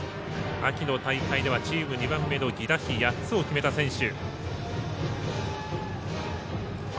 秋の大会ではチーム２番目の犠打飛８つを決めた選手。